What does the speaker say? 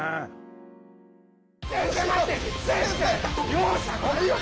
容赦ないよ。